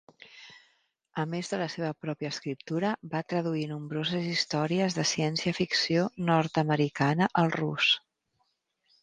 A més de la seva pròpia escriptura, va traduir nombroses històries de ciència-ficció nord-americana al rus.